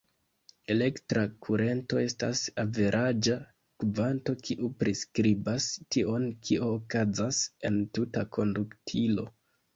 Elektra kurento estas averaĝa kvanto, kiu priskribas tion kio okazas en tuta konduktilo.